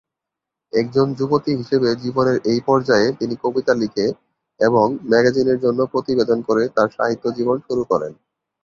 একজন যুবতী হিসেবে জীবনের এই পর্যায়ে তিনি কবিতা লিখে এবং ম্যাগাজিনের জন্য প্রতিবেদন করে তার সাহিত্য জীবন শুরু করেন।